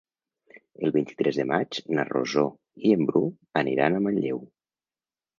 El vint-i-tres de maig na Rosó i en Bru aniran a Manlleu.